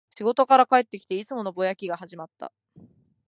仕事から帰ってきて、いつものぼやきが始まった